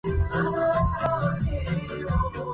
هيكلي سام سليم الشبح